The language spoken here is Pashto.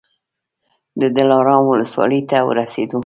د دلارام ولسوالۍ ته ورسېدو.